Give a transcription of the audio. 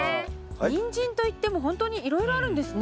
ニンジンといっても本当にいろいろあるんですね。